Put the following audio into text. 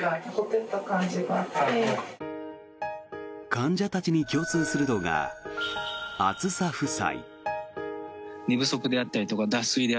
患者たちに共通するのが暑さ負債。